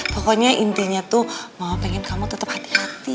pokoknya intinya tuh pengen kamu tetap hati hati